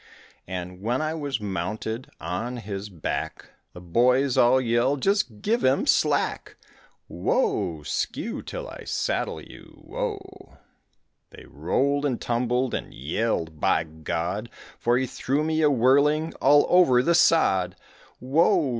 And when I was mounted on his back, The boys all yelled, "Just give him slack," Whoa! skew, till I saddle you, whoa! They rolled and tumbled and yelled, by God, For he threw me a whirling all over the sod, Whoa!